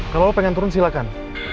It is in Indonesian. kalau lo pengen turun silahkan